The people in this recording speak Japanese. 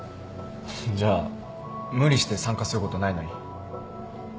じゃあ無理して参加することないのに。